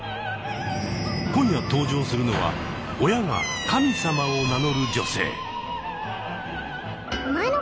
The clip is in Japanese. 今夜登場するのは親が神様を名乗る女性。